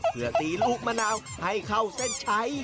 เพื่อตีลูกมะนาวให้เข้าเส้นชัย